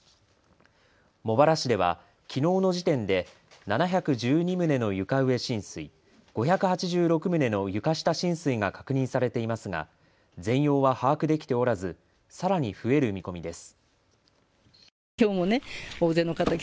茂原市ではきのうの時点で７１２棟の床上浸水、５８６棟の床下浸水が確認されていますが全容は把握できておらずさらに増える見込みです。